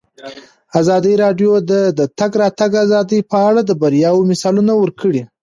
ازادي راډیو د د تګ راتګ ازادي په اړه د بریاوو مثالونه ورکړي.